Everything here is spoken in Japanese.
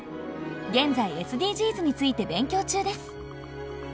現在ＳＤＧｓについて勉強中です。